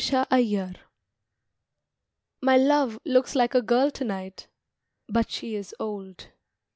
THE BRIDE MY love looks like a girl to night, But she is old.